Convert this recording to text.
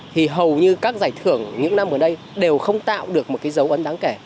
thì hầu như các giải thưởng những năm gần đây đều không tạo được một cái dấu ấn đáng kể